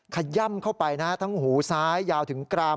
ขย่ำเข้าไปนะทั้งหูซ้ายยาวถึงกราม